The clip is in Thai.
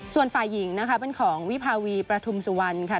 ส่วนฝ่ายหญิงนะคะเป็นของวิภาวีประทุมสุวรรณค่ะ